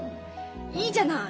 いいじゃない。